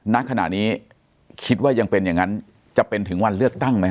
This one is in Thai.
ณขณะนี้คิดว่ายังเป็นอย่างนั้นจะเป็นถึงวันเลือกตั้งไหม